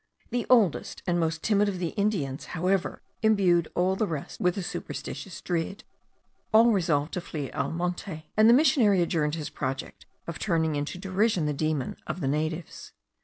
The oldest and most timid of the Indians, however, imbued all the rest with a superstitious dread; all resolved to flee al monte, and the missionary adjourned his project of turning into derision the demon of the natives.